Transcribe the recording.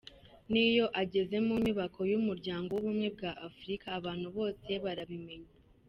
N’iyo ageze mu nyubako y’Umuryango w’Ubumwe bwa Afurika abantu bose barabimenya.